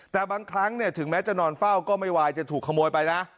แต่บางครั้งถึงแม้จะนอนเฝ้าก็ไม่ไหวจะถูกขโมยไปนะ